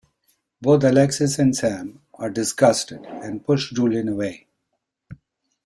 Both Alexis and Sam are disgusted, and push Julian away.